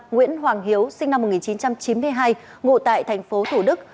nguyễn hoàng hiếu sinh năm một nghìn chín trăm chín mươi hai ngụ tại thành phố thủ đức